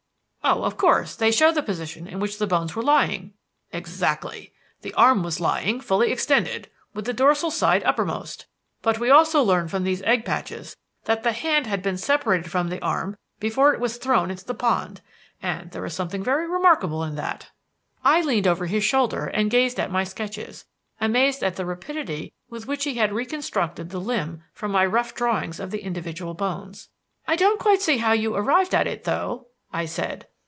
"Oh, of course, they show the position in which the bones were lying." "Exactly. The arm was lying, fully extended, with the dorsal side uppermost. But we also learn from these egg patches that the hand had been separated from the arm before it was thrown into the pond; and there is something very remarkable in that." I leaned over his shoulder and gazed at my sketches, amazed at the rapidity with which he had reconstructed the limb from my rough drawings of the individual bones. "I don't quite see how you arrived at it, though," I said.